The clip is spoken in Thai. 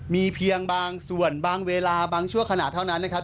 มีเพียงบางส่วนบางเวลาบางชั่วขณะเท่านั้นนะครับ